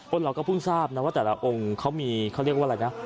เราก็เพิ่งทราบนะว่าแต่ละองค์เขามีเขาเรียกว่าอะไรนะ